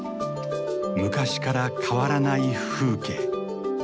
昔から変わらない風景。